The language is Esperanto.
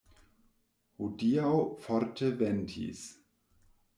Hodiaŭ forte ventis.